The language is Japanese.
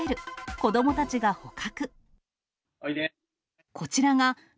子どもたちが捕獲。